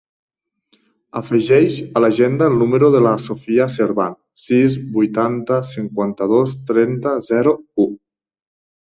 Afegeix a l'agenda el número de la Sophia Servan: sis, vuitanta, cinquanta-dos, trenta, zero, u.